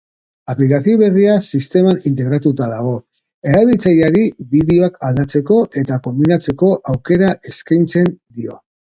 Aplikazio berria sisteman integratuta dago erabiltzaileari bideoak aldatzeko eta konbinatzeko aukera eskaintzen dio.